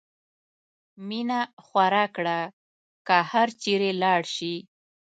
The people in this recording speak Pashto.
مینه خوره کړه که هر چېرې لاړ شې.